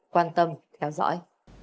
quan tâm theo dõi